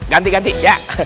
ganti ganti ya